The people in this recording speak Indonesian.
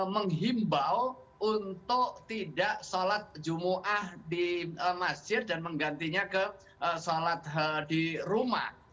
menghimbau untuk tidak sholat jumuah di masjid dan menggantinya ke sholat di rumah